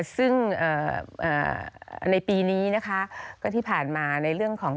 ซึ่งในปีนี้นะคะก็ที่ผ่านมาในเรื่องของ